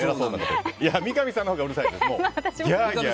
三上さんのほうがうるさいです。